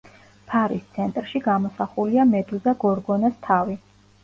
ფარის ცენტრში გამოსახულია მედუზა გორგონას თავი.